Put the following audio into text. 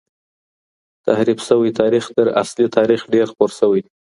تحریف سوی تاریخ تر اصلي تاریخ ډېر خپور سوی دی.